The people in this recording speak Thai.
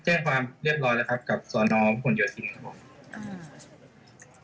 แจ้งความเรียบร้อยแล้วกับสนผู้ห่วงโยธินครับผม